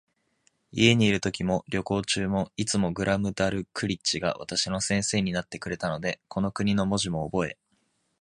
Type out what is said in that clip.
家にいるときも、旅行中も、いつもグラムダルクリッチが私の先生になってくれたので、この国の文字もおぼえ、